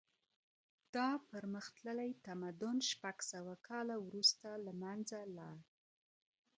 دا پرمختللی تمدن شپږ سوه کاله وروسته له منځه لاړ.